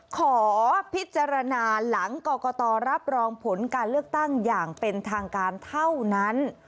ขอพิจารณาหลังกรกตรับรองผลการเลือกตั้งอย่างเป็นทางการเท่านั้น